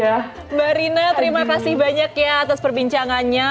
mbak rina terima kasih banyak ya atas perbincangannya